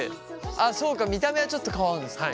そうか見た目はちょっと変わるんですね。